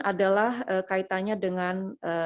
adalah kaitannya dengan